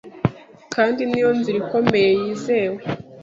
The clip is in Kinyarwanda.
kandi n’iyo nzira ikomeye yizewe